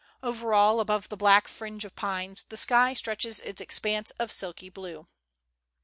Over all, above the black fringe of pines, the sky stretches its expanse of silky blue.